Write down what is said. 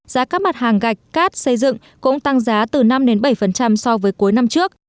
giá các mặt hàng gạch cát xây dựng cũng tăng giá từ năm bảy so với cuối năm trước